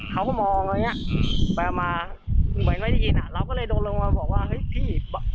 เขาก็มองอะไรอย่างเงี้ยไปมาเหมือนไม่ได้ยินอ่ะเราก็เลยโดนลงมาบอกว่าเฮ้ยพี่